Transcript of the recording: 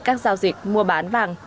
các giao dịch mua bán vàng